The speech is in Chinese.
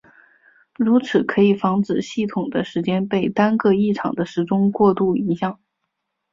如此可以防止系统的时间被单个异常的时钟过度影响。